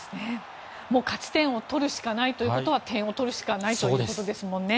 勝ち点を取るしかないということは点を取るしかないということですもんね。